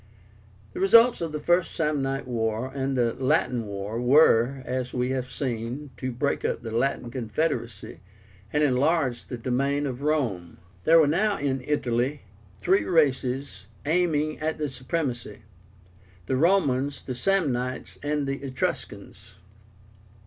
The results of the First Samnite War and the Latin War were, as we have seen, to break up the Latin confederacy, and enlarge the domain of Rome. There were now in Italy three races aiming at the supremacy, the Romans, the Samnites, and the Etruscans.